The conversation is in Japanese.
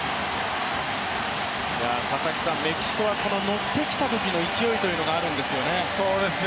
メキシコはノってきたときの勢いというのがあるんですよね。